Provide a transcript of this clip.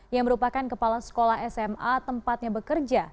yang merupakan kepala sekolah sma tempatnya bekerja